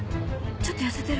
ちょっと痩せてる。